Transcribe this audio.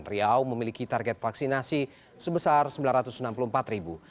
riau memiliki target vaksinasi sebesar sembilan ratus enam puluh empat ribu